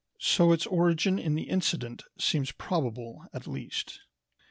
So its origin in the incident seems probable at least.